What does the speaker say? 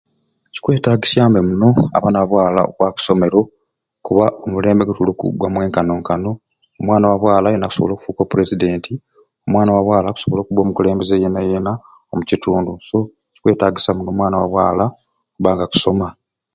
Kikwetagisya mbe muno abaana ba bwaala okwaba o ku somero kuba omulembe gwetuliku gwa mwenkanonkano omwana wa bwaala yeena akusobola okufuuka o pulezidenti omwana wa bwaala akusobola okubba omukulembeze yeena yeena omukitundu so Kikwetaagisa muno omwana wa bwaala okubba nga akusoma.